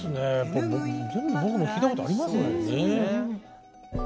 僕も聴いたことありますもんね。